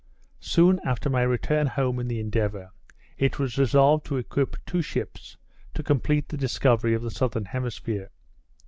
Soon after my return home in the Endeavour, it was resolved to equip two ships, to complete the discovery of the Southern Hemisphere.